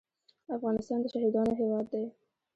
افغانستان د شهیدانو هیواد دی